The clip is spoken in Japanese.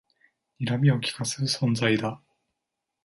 にらみをきかす存在だ